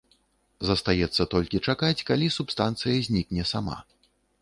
Застаецца толькі чакаць, калі субстанцыя знікне сама.